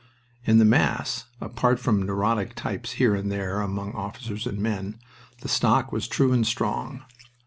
In the mass, apart from neurotic types here and there among officers and men, the stock was true and strong.